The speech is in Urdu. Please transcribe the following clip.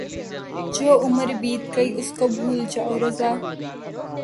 جو عُمر بیت گئی اُس کو بھُول جاؤں رضاؔ